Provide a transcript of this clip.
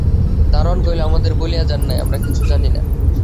দরোয়ান কহিল, আমাদের বলিয়া যান নাই, আমরা কিছুই জানি না।